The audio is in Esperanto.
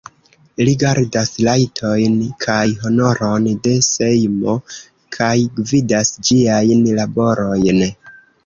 Li gardas rajtojn kaj honoron de Sejmo kaj gvidas ĝiajn laborojn.